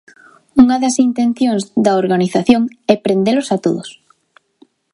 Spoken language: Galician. Unha das intencións da organización é prendelos a todos.